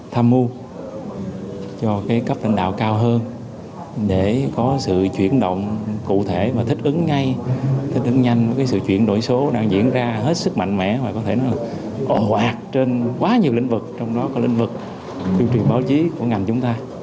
tham mưu cho cấp lãnh đạo cao hơn để có sự chuyển động cụ thể và thích ứng ngay thích ứng nhanh với sự chuyển đổi số đang diễn ra hết sức mạnh mẽ và có thể là ồ ạt trên quá nhiều lĩnh vực trong đó có lĩnh vực tuyên truyền báo chí của ngành chúng ta